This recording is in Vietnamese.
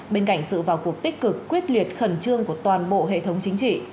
bên cạnh sự vào cuộc tích cực quyết liệt khẩn trương của toàn bộ hệ thống chính trị